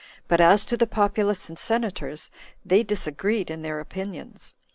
But as to the populace and senators, they disagreed in their opinions.